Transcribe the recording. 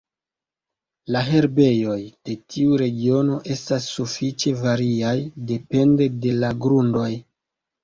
La herbejoj de tiu regiono estas sufiĉe variaj depende de la grundoj.